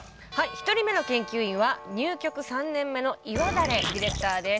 １人目の研究員は入局３年目の岩垂ディレクターです。